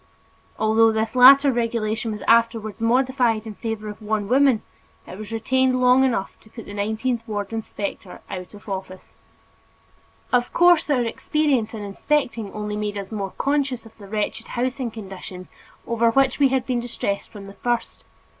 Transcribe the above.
Although this latter regulation was afterwards modified in favor of one woman, it was retained long enough to put the nineteenth ward inspector out of office. Of course our experience in inspecting only made us more conscious of the wretched housing conditions over which we had been distressed from the first.